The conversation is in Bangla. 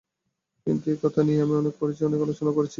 কিন্তু এই কথা নিয়ে আমি অনেক পড়েছি, অনেক আলোচনাও করেছি।